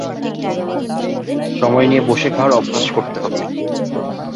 সময় নিয়ে বসে খাওয়ার অভ্যাস করতে হবে।